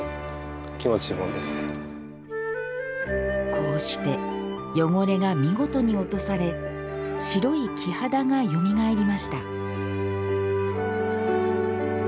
こうして汚れが見事に落とされ白い木肌がよみがえりました